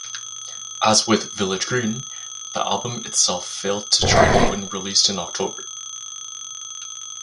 As with "Village Green", the album itself failed to chart when released in October.